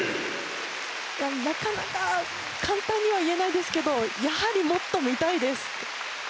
なかなか簡単には言えないですけど、やはりもっと見たいです。